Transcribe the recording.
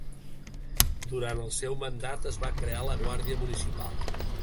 Durant el seu mandat es va crear la Guàrdia Municipal.